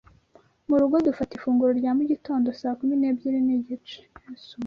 Mu rugo dufata ifunguro rya mugitondo saa kumi n’ebyiri n’igice,